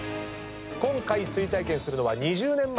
今回追体験するのは２０年前。